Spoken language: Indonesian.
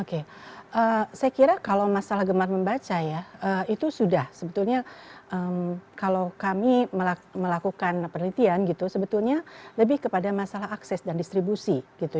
oke saya kira kalau masalah gemar membaca ya itu sudah sebetulnya kalau kami melakukan penelitian gitu sebetulnya lebih kepada masalah akses dan distribusi gitu